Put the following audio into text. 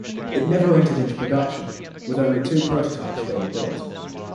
It never entered into production, with only two prototypes being built.